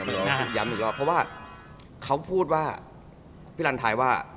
เพราะว่าพี่อาร์มชแล้วเข้าพูดว่า